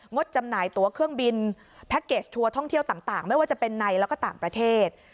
ดจำหน่ายตัวเครื่องบินแพ็คเกจทัวร์ท่องเที่ยวต่างไม่ว่าจะเป็นในแล้วก็ต่างประเทศ